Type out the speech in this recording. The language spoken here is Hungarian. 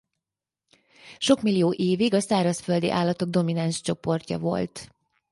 Sok millió évig a szárazföldi állatok domináns csoportja volt.